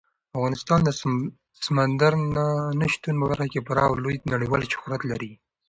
افغانستان د سمندر نه شتون په برخه کې پوره او لوی نړیوال شهرت لري.